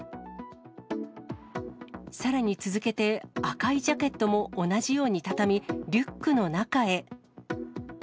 さらに続けて、赤いジャケットも同じように畳み、リュックの中へ。